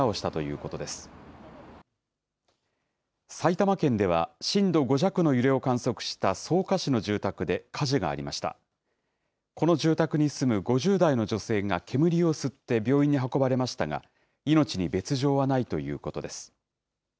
この住宅に住む５０代の女性が煙を吸って病院に運ばれましたが、命に別状はないということです。